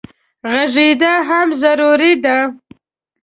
غږېدا هم ضروري ده.